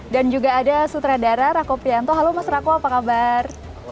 dan juga ada sutradara rako prianto halo mas rako apa kabar